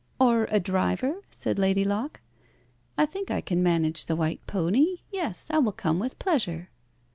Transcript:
"Or a driver?" said Lady Locke. "I think I can manage the white pony. Yes, I will come with pleasure."